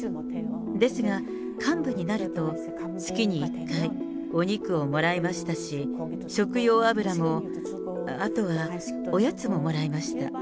ですが、幹部になると月に１回、お肉をもらえましたし、食用油も、あとはおやつももらえました。